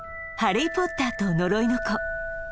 「ハリー・ポッターと呪いの子」